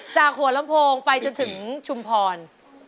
จากหัวลำโพงไปจนถึงชุมพร